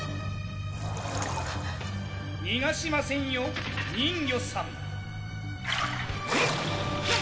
にがしませんよ人魚さんフン！